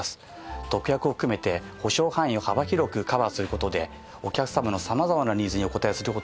特約を含めて保障範囲を幅広くカバーする事でお客様の様々なニーズにお応えする事ができます。